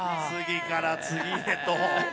次から次へと。